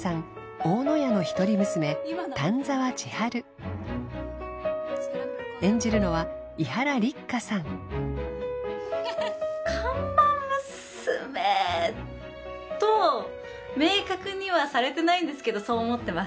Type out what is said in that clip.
大野屋の一人娘丹沢千春演じるのは伊原六花さん看板娘と明確にはされてないんですけどそう思ってます